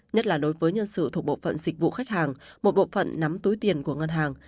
nhất là đối với nhân sự thuộc bộ phận dịch vụ khách hàng một bộ phận nắm túi tiền của ngân hàng